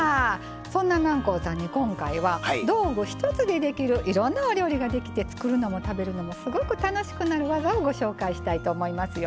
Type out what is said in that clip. そんな南光さんに今回は道具１つでできるいろんなお料理ができて作るのも食べるのもすごく楽しくなる技をご紹介したいと思いますよ。